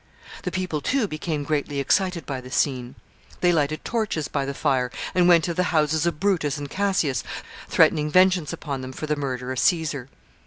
The people, too, became greatly excited by the scene. They lighted torches by the fire, and went to the houses of Brutus and Cassius, threatening vengeance upon them for the murder of Caesar.